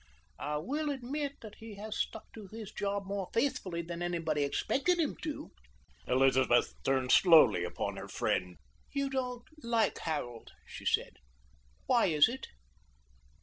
"I will admit that he has stuck to his job more faithfully than anybody expected him to." Elizabeth turned slowly upon her friend, "You don't like Harold," she said; "why is it?"